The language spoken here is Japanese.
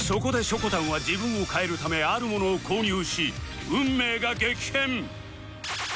こたんは自分を変えるためあるものを購入し運命が激変